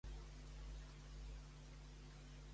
Segons el sant Jaume és així?